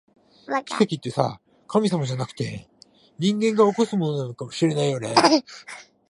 奇跡ってさ、神様じゃなくて、人間が起こすものなのかもしれないね